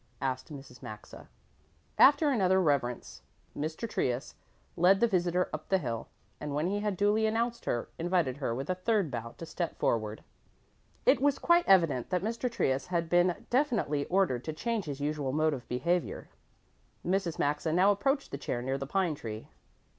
asked Mrs. Maxa. After another reverence Mr. Trius led the visitor up the hill, and when he had duly announced her, invited her with a third bow to step forward. It was quite evident that Mr. Trius had been definitely ordered to change his usual mode of behaviour. Mrs. Maxa now approached the chair near the pine tree.